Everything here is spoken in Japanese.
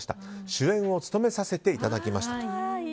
主演を務めさせていただきました。